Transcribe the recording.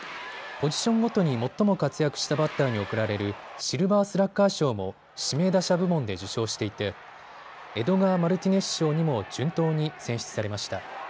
ポジションごとに最も活躍したバッターに贈られるシルバースラッガー賞も指名打者部門で受賞していてエドガー・マルティネス賞にも順当に選出されました。